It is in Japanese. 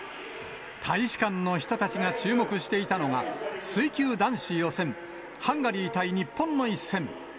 大使館の人たちが注目していたのが、水球男子予選、ハンガリー対日本の一戦。